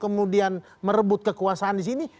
kemudian merebut kekuasaan disini